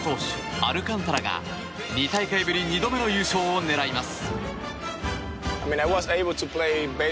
アルカンタラが２大会ぶり２度目の優勝を狙います。